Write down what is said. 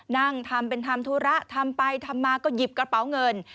นั่งทำเป็นทำธุระทำไปทำมาก็หยิบกระเป๋าเงิน